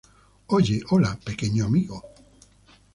Oye, hola, pequeño amigo.